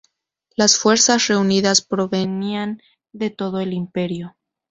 Las fuerzas reunidas provenían de todo el Imperio.